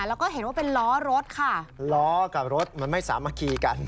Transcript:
แล้วก็เห็นว่าเป็นล้อรถค่ะล้อกับรถมันไม่สามารถคีกัน